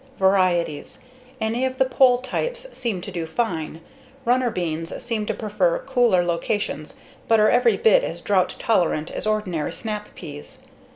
Varieties: Any of the pole types seem to do fine. Runner beans seem to prefer cooler locations but are every bit as drought tolerant as ordinary snap beans.